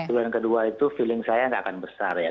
feeling kedua itu feeling saya nggak akan besar ya